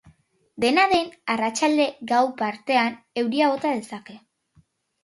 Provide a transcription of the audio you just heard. Dena den, arratsalde-gau partean euria bota dezake.